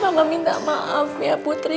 kalau minta maaf ya putri